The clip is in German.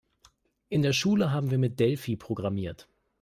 In der Schule haben wir mit Delphi programmiert.